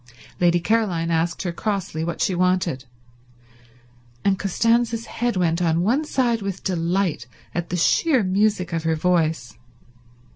Lady Caroline asked her crossly what she wanted, and Costanza's head went on one side with delight at the sheer music of her voice.